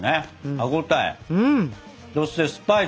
歯応えそしてスパイス。